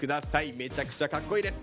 めちゃくちゃかっこいいです！